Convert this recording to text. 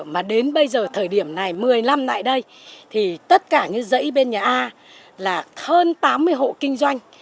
mà đến bây giờ thời điểm này một mươi năm lại đây thì tất cả những dãy bên nhà a là hơn tám mươi hộ kinh doanh